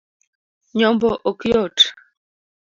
Nyombo ok yot